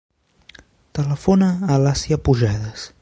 Telefona a l'Asia Pujadas.